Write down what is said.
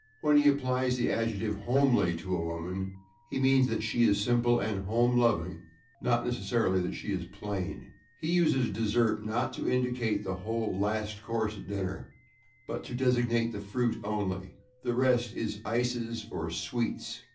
When he applies the adjective /homely/ to a woman he means that she is simple and home loving, not necessarily that she is plain. He uses /dessert/, not to indicate the whole last course at dinner, but to designate the fruit only; the rest is /ices/ or /sweets